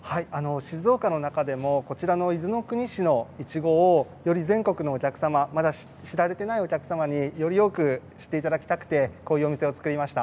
静岡の中でもこちらの伊豆の国市のいちごをより全国のお客様にまだ知られていないお客様により多く知っていただきたくてこういう店を作りました。